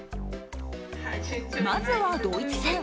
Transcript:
まずはドイツ戦。